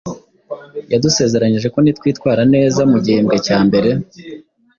yadusezeranyije ko nitwitwara neza mu gihembwe cya mbere,